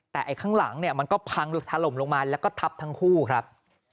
แต่ไอ้ข้างหลังเนี่ยมันก็พังถล่มลงมาแล้วก็ทับทั้งคู่ครับ